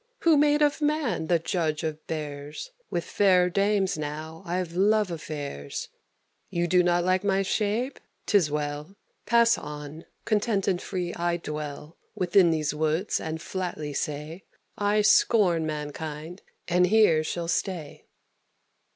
Who made of man the judge of bears? With fair dames now I've love affairs. You do not like my shape? 'Tis well; [Illustration: THE COMPANIONS OF ULYSSES.] Pass on. Content and free I dwell Within these woods, and flatly say, I scorn mankind, and here shall stay."